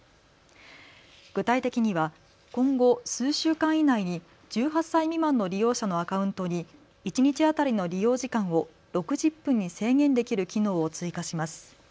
具体的には今後、数週間以内に１８歳未満の利用者のアカウントに一日当たりの利用時間を６０分に制限できる機能を追加します。